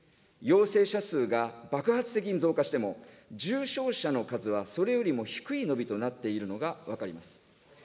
陽性者数が爆発的に増加しても、重症者の数はそれよりも低い伸びとなっているのが分かります。